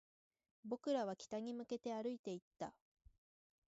僕らは北に向けて歩いていった